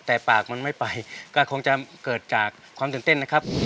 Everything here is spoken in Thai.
แต่ปากมันไม่ไปก็คงจะเกิดจากความตื่นเต้นนะครับ